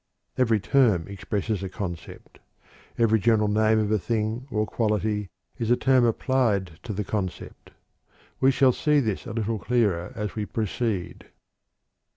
Every term expresses a concept; every general name of a thing or quality is a term applied to the concept. We shall see this a little clearer as we proceed.